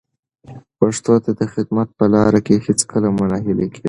پښتو ته د خدمت په لاره کې هیڅکله مه ناهیلي کېږئ.